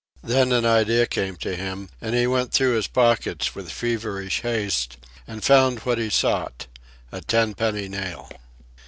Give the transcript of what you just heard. Then an idea came to him, and he went through his pockets with feverish haste, and found what he sought a ten penny nail.